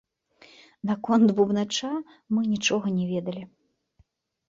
Наконт бубнача мы нічога не ведалі.